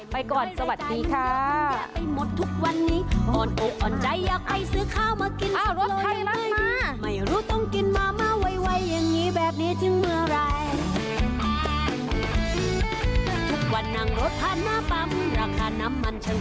ไปก่อนสวัสดีค่ะ